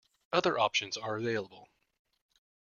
Other options are available.